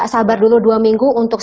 sabar dulu dua minggu untuk